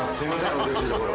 お忙しいところ。